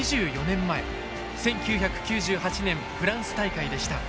１９９８年フランス大会でした。